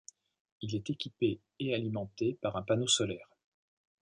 Il est équipé et alimenté par un panneau solaire.